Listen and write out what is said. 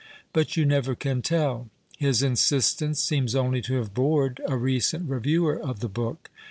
But you never can tell ; his insistence seems only to have bored a recent reviewer of the book.